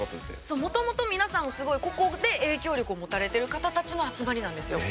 そうもともと皆さんすごい個々で影響力を持たれてる方たちの集まりなんですよ。